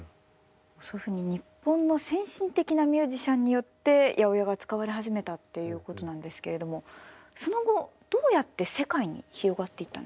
そういうふうに日本の先進的なミュージシャンによって８０８が使われ始めたっていうことなんですけれどもその後どうやって世界に広がっていったんですか？